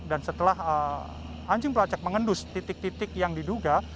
dan setelah anjing pelacak mengendus titik titik yang diduga